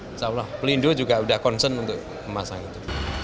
insya allah pelindung juga udah concern untuk pemasangan